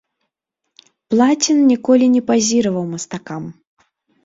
Плацін ніколі не пазіраваў мастакам.